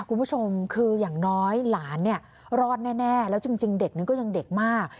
คุณผู้ชมคืออย่างน้อยหลานเนี่ยรอดแน่แล้วจริงเด็กนั้นก็ยังเด็กมาก